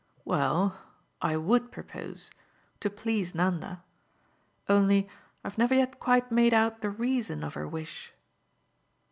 "Well, I WOULD propose to please Nanda. Only I've never yet quite made out the reason of her wish."